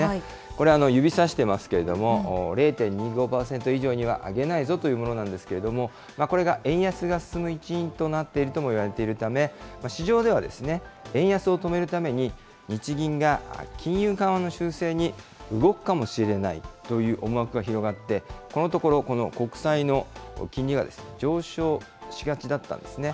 これ、指さしてますけれども、０．２５％以上には上げないぞというものなんですけれども、これが円安が進む一因となっているともいわれているため、市場では、円安を止めるために、日銀が金融緩和の修正に動くかもしれないという思惑が広がって、このところ、この国債の金利が上昇しがちだったんですね。